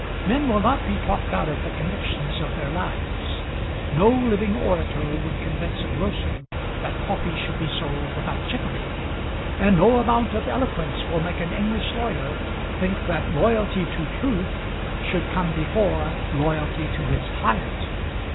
Men will not be talked out of the convictions of their lives. No living orator would convince a grocer that coffee should be sold without chicory; and no amount of eloquence will make an English lawyer think that loyalty to truth should come before loyalty to his client.